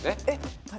えっ！